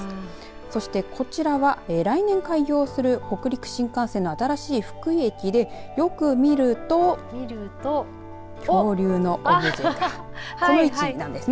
そして、こちらは来年開業する北陸新幹線の新しい福井駅でよく見ると恐竜のオブジェがこの位置なんですね。